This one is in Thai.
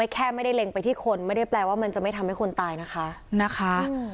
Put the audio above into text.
แค่ไม่ได้เล็งไปที่คนไม่ได้แปลว่ามันจะไม่ทำให้คนตายนะคะ